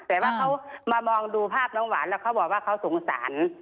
แต่ว่าเขามามองดูภาพน้องหวานแล้วเขาบอกว่าเขาสงสาร